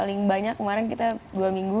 paling banyak kemarin kita dua minggu